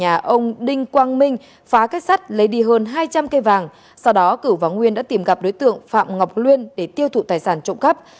hơn hai trăm linh cây vàng sau đó cửu văn nguyên đã tìm gặp đối tượng phạm ngọc luyên để tiêu thụ tài sản trộm cắp